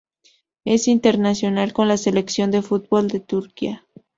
Es internacional con la selección de fútbol de Turquía.